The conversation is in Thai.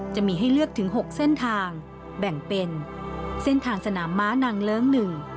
จะมีให้เลือกถึงหกเส้นทางแบ่งเป็นเส้นทางสนามม้านางเลิ้งหนึ่ง